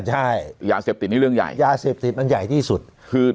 ใช่ยาเสพติดนี่เรื่องใหญ่ยาเสพติดมันใหญ่ที่สุดคือ